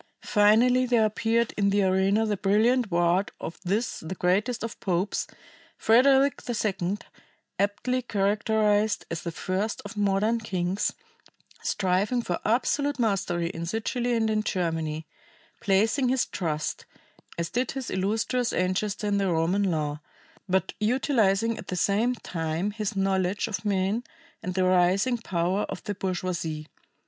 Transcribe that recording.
Finally there appeared in the arena the brilliant ward of this the greatest of popes, Frederick II, aptly characterized as the first of modern kings, striving for absolute mastery in Sicily and in Germany, placing his trust, as did his illustrious ancestor in the Roman law, but utilizing at the same time his knowledge of men and the rising power of the bourgeoisie.